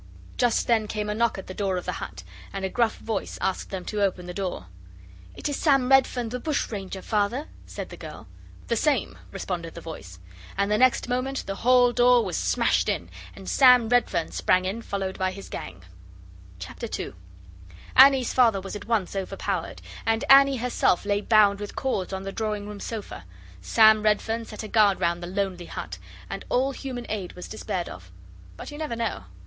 Just then came a knock at the door of the hut, and a gruff voice asked them to open the door. 'It is Sam Redfern the Bushranger, father,' said the girl. 'The same,' responded the voice, and the next moment the hall door was smashed in, and Sam Redfern sprang in, followed by his gang. CHAPTER II Annie's Father was at once overpowered, and Annie herself lay bound with cords on the drawing room sofa. Sam Redfern set a guard round the lonely hut, and all human aid was despaired of. But you never know.